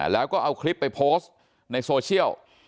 แล้วก็เอาคลิปไปโพสต์ในโซเชียล